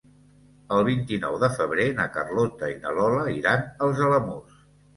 El vint-i-nou de febrer na Carlota i na Lola iran als Alamús.